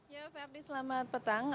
ya ferdie selamat petang